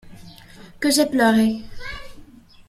Que j'ai pleuré!